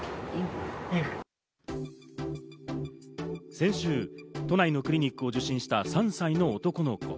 先週、都内のクリニックを受診した３歳の男の子。